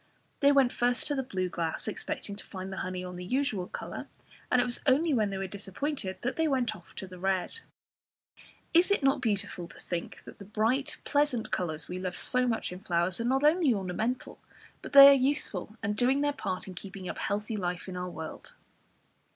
They went first to the blue glass, expecting to find the honey on the usual colour, and it was only when they were disappointed that they went off to the red. Is it not beautiful to think that the bright pleasant colours we love so much in flowers, are not only ornamental, but that they are useful and doing their part in keeping up healthy life in our world?